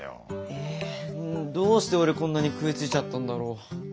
えどうして俺こんなに食いついちゃったんだろう？